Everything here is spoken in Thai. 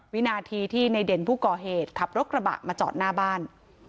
วินาทีที่ในเด่นผู้ก่อเหตุขับรถกระบะมาจอดหน้าบ้าน